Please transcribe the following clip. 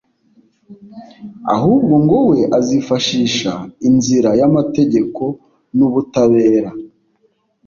ahubwo ngo we azifashisha inzira y’amategeko n’ubutabera